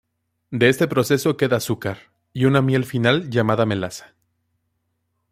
De este proceso queda azúcar y una miel final llamada melaza.